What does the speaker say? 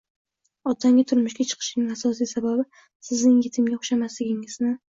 otangga turmushga chiqishimning asosiy sababi sizning yetimga o'xshamasligingizni